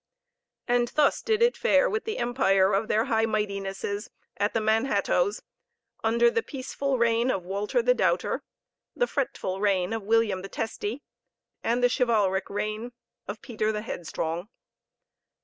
And thus did it fare with the empire of their High Mightinesses, at the Manhattoes, under the peaceful reign of Walter the Doubter, the fretful reign of William the Testy, and the chivalric reign of Peter the Headstrong.